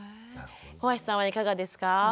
帆足さんはいかがですか？